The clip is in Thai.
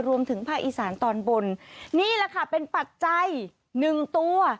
รวมถึงภาคอีสานตอนบนนี่แหละค่ะเป็นปัจจัยหนึ่งตัว